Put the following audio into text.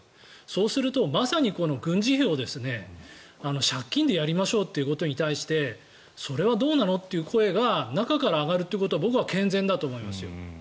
そうするとまさに軍事費を借金でやりましょうということに対してそれはどうなのという声が中から上がるということは僕は健全だと思いますよ。